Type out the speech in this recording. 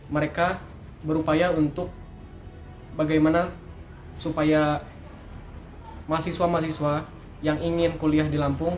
mereka berupaya untuk bagaimana supaya mahasiswa mahasiswa yang ingin kuliah di lampung